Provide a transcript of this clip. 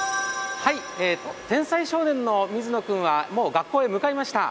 天才少年の水野君は、もう学校へ向かいました。